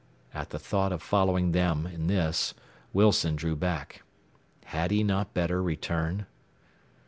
At the thought of following them in this Wilson drew back. Had he not better return?